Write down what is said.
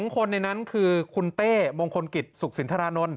คนในนั้นคือคุณเต้มงคลกิจสุขสินทรานนท์